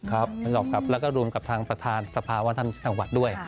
แล้วก็รวมกับทางประธานสภาวัฒนธรรมจังหวัดด้วย